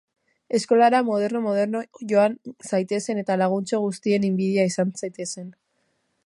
Eskolara moderno moderno joan zaitezen eta laguntxo guztien inbidia izan zaitezen.